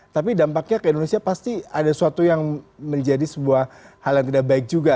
tapi dampaknya ke indonesia pasti ada suatu yang menjadi sebuah hal yang tidak baik juga